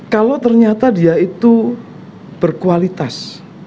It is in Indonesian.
kalau ternyata dia itu berkualitas